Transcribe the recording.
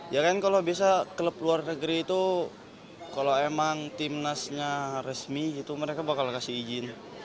ya kan kalau bisa klub luar negeri itu kalau emang timnasnya resmi itu mereka bakal kasih izin